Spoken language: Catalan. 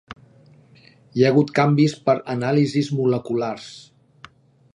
Hi ha hagut canvis per anàlisis moleculars.